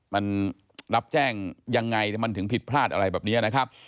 มันรับแจ้งยังไงมันถึงผิดพลาดอะไรแบบนี้นะครับ